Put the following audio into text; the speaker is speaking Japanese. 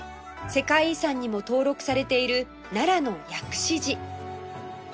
世界遺産にも登録されている奈良の薬師寺